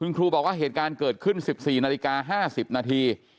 คุณครูบอกว่าเหตุการณ์เกิดขึ้น๑๔นาฬิกา๕๐นาที